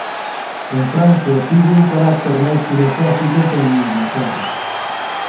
En Francia tivo un carácter máis filosófico que en Inglaterra.